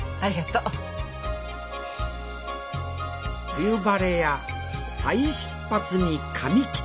「冬晴れや再出発に髪切つて」。